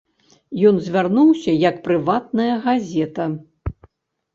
Ён звярнуўся як прыватная газета.